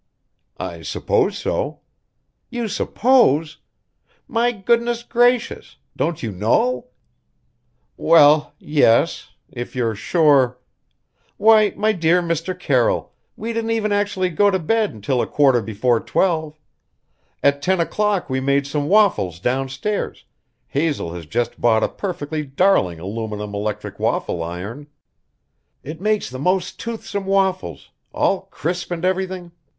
"I suppose so." "You suppose? My goodness gracious! Don't you know?" "Well yes. If you're sure " "Why, my dear Mr. Carroll, we didn't even actually go to bed until a quarter before twelve. At ten o'clock we made some waffles downstairs Hazel has just bought a perfectly darling aluminum electric waffle iron. It makes the most toothsome waffles all crisp and everything.